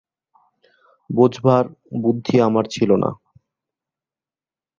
বোঝবার বুদ্ধি আমার ছিল না।